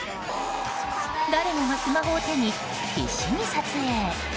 誰もがスマホを手に必死に撮影。